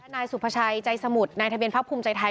นายสุภาชัยใจสมุทรนายทะเบียนพักภูมิใจไทย